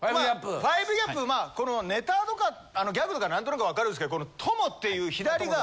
５ＧＡＰまあこのネタとかギャグとか何となく分かるんですけどトモっていう左が。